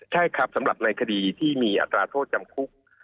ใช่ครับสำหรับในคดีที่มีอัตราโทษจำคุก